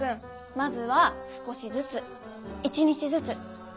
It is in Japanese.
まずは少しずつ１日ずつねっ。